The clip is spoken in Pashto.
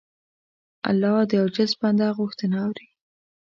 الله د عاجز بنده غوښتنه اوري.